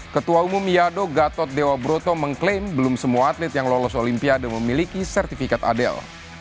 ketua umum yado gatot dewa broto mengklaim belum semua atlet yang lolos olimpiade memiliki sertifikat adil